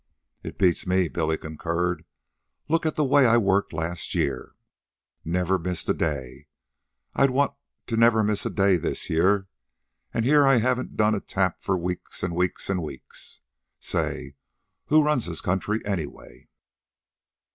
"It beats me," Billy concurred. "Look at the way I worked last year. Never missed a day. I'd want to never miss a day this year, an' here I haven't done a tap for weeks an' weeks an' weeks. Say! Who runs this country anyway?"